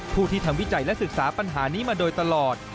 ผู้ที่ทำวิจัยและศึกษาปัญหานี้มาโดยตลอด